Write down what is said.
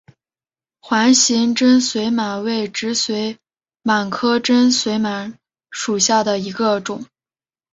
环形真绥螨为植绥螨科真绥螨属下的一个种。